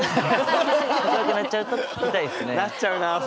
なっちゃうなあ